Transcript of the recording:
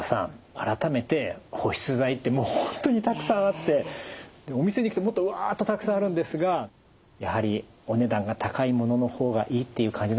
改めて保湿剤ってもう本当にたくさんあってお店に行くともっとわっとたくさんあるんですがやはりお値段が高いものの方がいいっていう感じなんですかね。